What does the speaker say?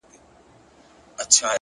صبر د سترو لاسته راوړنو شرط دی